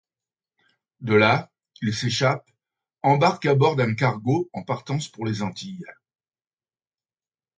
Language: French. De là, il s'échappe, embarque à bord d'un cargo en partance pour les Antilles.